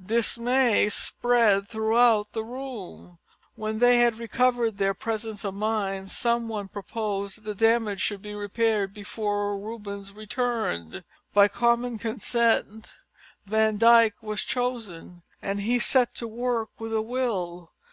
Dismay spread throughout the room. When they had recovered their presence of mind, some one proposed that the damage should be repaired before Rubens returned. By common consent Van Dyck was chosen, and he set to work with a will.